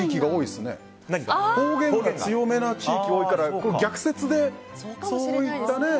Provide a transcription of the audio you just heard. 方言が強めな地域が多いから逆説で、そういったね。